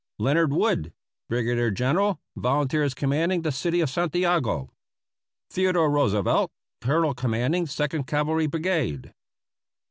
Leonard Wood, Brigadier • General Volunteers Commanding the City of Santiago. Theodore Roosevelt, Colonel Commanding Second Cavalry Brigade.